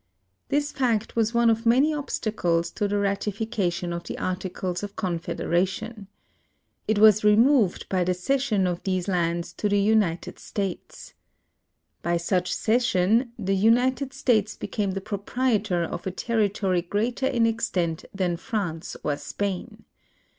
This fact was one of many obstacles to the ratification of the Articles of Confedera tion. It was removed by the cession of these lands to the United States. By such cession the United States became the proi)rietor of a territory greater in extent than France or Spain.